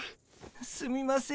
すみません。